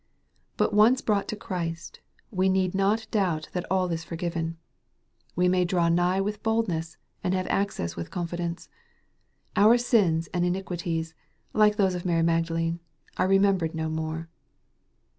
But once brought to Christ, we need not doubt that all is forgiven. We may draw nigh with boldness, and have access with confidence. Our sins and iniquities, like those of Mary Magdalene, are remembered no more.